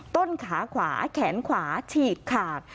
ต้นขาขวาแขนขวาฉีกขาด